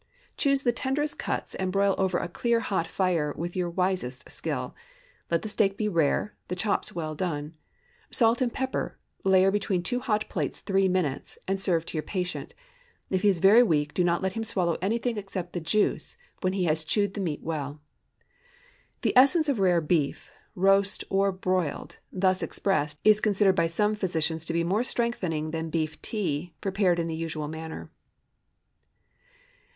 Choose the tenderest cuts and broil over a clear hot fire with your wisest skill. Let the steak be rare—the chops well done. Salt and pepper, lay between two hot plates three minutes, and serve to your patient. If he is very weak, do not let him swallow anything except the juice, when he has chewed the meat well. The essence of rare beef—roast or broiled—thus expressed, is considered by some physicians to be more strengthening than beef tea, prepared in the usual manner.